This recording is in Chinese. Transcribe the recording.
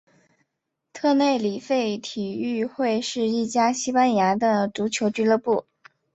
特内里费体育会是一家西班牙的足球俱乐部。